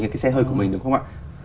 hay cái xe hơi của mình đúng không ạ